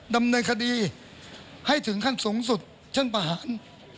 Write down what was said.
ดำเนินคดีให้ถึงขั้นสูงสุดเช่นประหาร